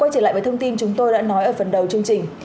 quay trở lại với thông tin chúng tôi đã nói ở phần đầu chương trình